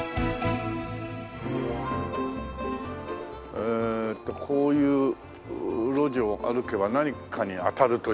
えーっとこういう路地を歩けば何かに当たるというね。